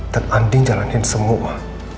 dan andin jalanin semua